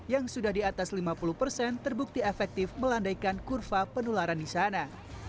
yang sudah di atas lima puluh persen terbukti efektif melandaikan kurva penularan di sana